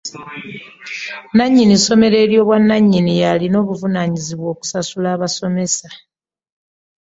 Nanyini ssomero ly'obwananyini yalina obuvunanyizibwa okusasula abasomesa.